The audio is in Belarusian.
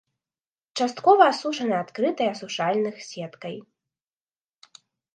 Часткова асушана адкрытай асушальных сеткай.